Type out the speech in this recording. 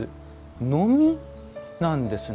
ノミなんですね。